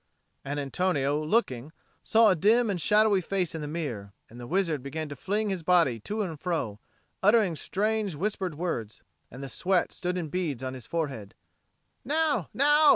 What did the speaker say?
and Antonio, looking, saw a dim, and shadowy face in the mirror; and the wizard began to fling his body to and fro, uttering strange whispered words; and the sweat stood in beads on his forehead. "Now, now!"